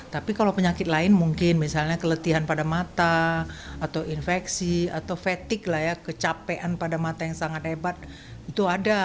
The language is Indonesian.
tapi kalau penyakit lain mungkin misalnya keletihan pada mata atau infeksi atau fetik lah ya kecapean pada mata yang sangat hebat itu ada